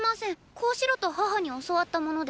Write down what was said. こうしろと母に教わったもので。